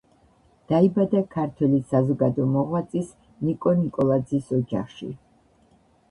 დაიბადა ქართველი საზოგადო მოღვაწის, ნიკო ნიკოლაძის ოჯახში.